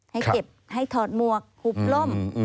ให้เก็บให้ถอดหมวกหุบล่ม